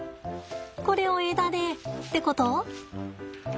これを枝でってこと？